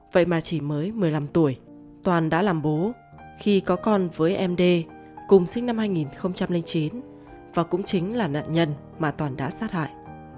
vậy mà chỉ mới một mươi năm tuổi toàn đã làm bố khi có con với em đê cùng sinh năm hai nghìn chín và cũng chính là nạn nhân mà toàn đã sát hại